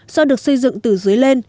do được xây dựng từ dưới lên